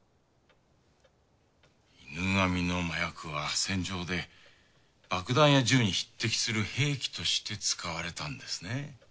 犬神の麻薬は戦場で爆弾や銃に匹敵する兵器として使われたんですね。